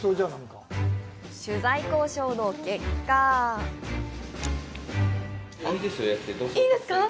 取材交渉の結果いいですか！？